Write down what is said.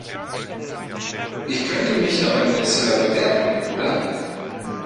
Ich könnte mich ja bei Mozilla bewerben, oder?